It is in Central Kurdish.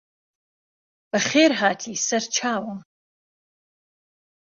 بەخێرهاتی سەرچاوم